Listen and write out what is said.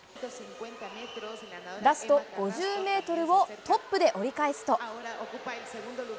ラスト５０メートルをトップで折り返すと。